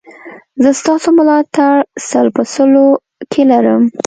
زه ستاسو ملاتړ سل په سلو کې لرم